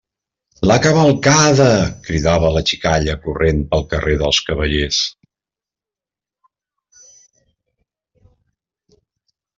La cavalcada! –cridava la xicalla corrent pel carrer de Cavallers.